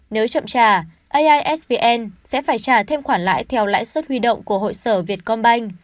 nếu chậm trả aisvn sẽ phải trả thêm khoản lãi theo lãi xuất huy động của hội sở vietcombank